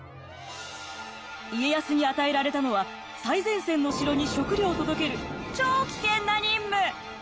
家康に与えられたのは最前線の城に食糧を届ける超危険な任務！